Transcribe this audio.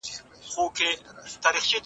ماشومان په جومات کې د اذان غږ خوښوي.